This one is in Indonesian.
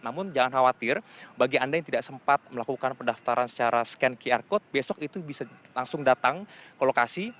namun jangan khawatir bagi anda yang tidak sempat melakukan pendaftaran secara scan qr code besok itu bisa langsung datang ke lokasi